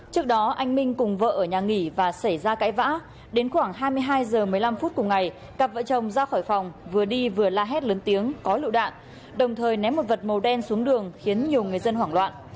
trước đó anh minh cùng vợ ở nhà nghỉ và xảy ra cãi vã đến khoảng hai mươi hai h một mươi năm phút cùng ngày cặp vợ chồng ra khỏi phòng vừa đi vừa la hét lớn tiếng có lựu đạn đồng thời ném một vật màu đen xuống đường khiến nhiều người dân hoảng loạn